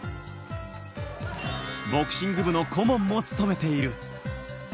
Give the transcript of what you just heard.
ボクシング部の顧問も務めている。